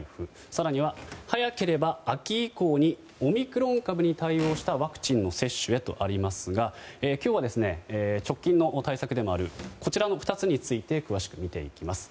更には、早ければ秋以降にオミクロン株に対応したワクチンの接種へとありますが今日は直近の対策でもあるこちらの２つについて詳しく見ていきます。